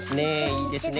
いいですね。